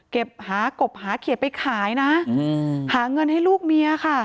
หากบหาเขียดไปขายนะหาเงินให้ลูกเมียค่ะ